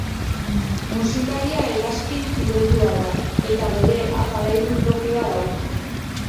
Musikaria hegazkin pilotua da eta bere aparailu propioa dauka.